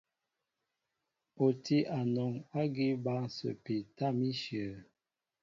O tí anɔŋ ágí bǎl ǹsəpi tâm íshyə̂.